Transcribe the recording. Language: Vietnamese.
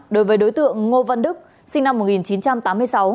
đối với đối tượng ngô văn đức sinh năm một nghìn chín trăm tám mươi sáu